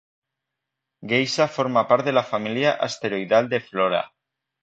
Geisha forma part de la família asteroidal de Flora.